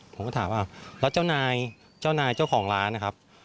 ผมก็ถามว่าแล้วเจ้านายเจ้านายเจ้าของร้านนะครับ